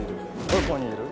どこにいる？